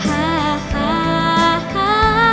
ฮ่าฮ่า